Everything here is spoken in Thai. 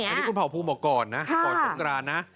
นี่คุณเผาภูมิบอกก่อนนะ